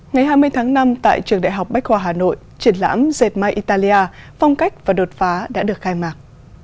ngày hai mươi tháng năm tại trường đại học bách khoa hà nội triển lãm dệt may italia phong cách và đột phá đã được khai mạc